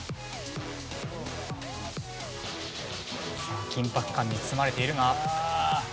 さあ緊迫感に包まれているが。